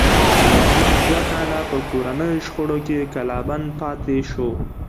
احمد دوه کاله په کورنیو شخړو کې کلا بند پاتې شو.